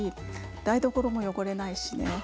台所も汚れないしね。